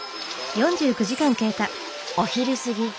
お昼過ぎ